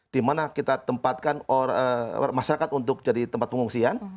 di mana kita tempatkan masyarakat untuk jadi tempat pengungsian